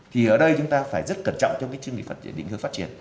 thì ở đây chúng ta phải rất cẩn trọng trong chương trình định hướng phát triển